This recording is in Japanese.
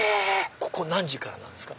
ここ何時からなんですか？